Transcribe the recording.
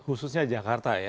khususnya jakarta ya